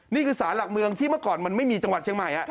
นี่คือสารหลักเมืองที่เมื่อก่อนมันไม่มีจังหวัดเชียงใหม่